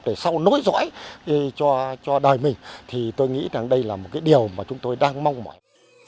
để sau nối dõi cho đời mình thì tôi nghĩ rằng đây là một cái điều mà chúng tôi đang mong mỏi